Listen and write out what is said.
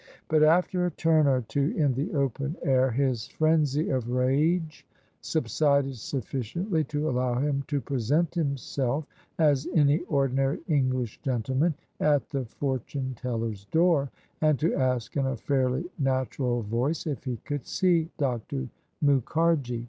But after a turn or two in the open air his frenzy of rage subsided sufficiently to allow him to present himself, as any ordinary English gentle man, at the fortune teller's door, and to ask in a fairly nat ural voice if he could see Dr. Mukharji.